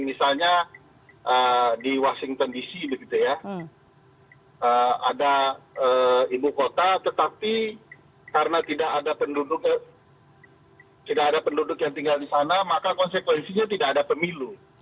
misalnya di washington dc ada ibu kota tetapi karena tidak ada penduduk yang tinggal di sana maka konsekuensinya tidak ada pemilu